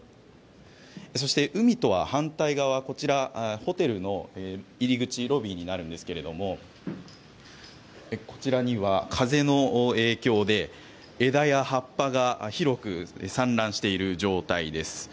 そして、海とは反対側こちら、ホテルの入り口、ロビーになるんですがこちらには風の影響で枝や葉っぱが広く散乱している状態です。